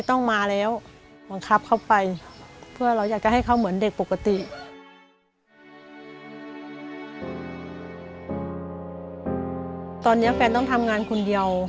ตอนนี้แฟนต้องทำงานคนเดียว